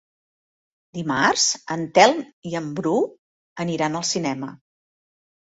Dimarts en Telm i en Bru aniran al cinema.